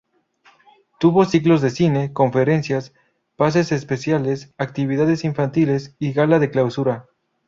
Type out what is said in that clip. Tuvo ciclos de cine, conferencias, pases especiales, actividades infantiles y Gala de Clausura.